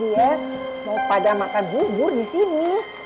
dia mau pada makan bubur disini